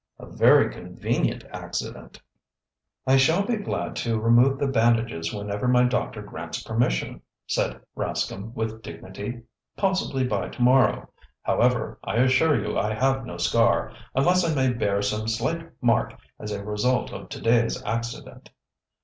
"A very convenient accident!" "I shall be glad to remove the bandages whenever my doctor grants permission," said Rascomb with dignity. "Possibly by tomorrow. However, I assure you I have no scar, unless I may bear some slight mark as a result of today's accident."